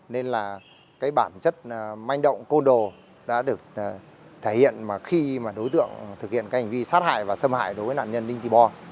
nên là cái bản chất manh động cô đồ đã được thể hiện khi mà đối tượng thực hiện cái hành vi sát hại và xâm hại đối với nạn nhân đinh thị bo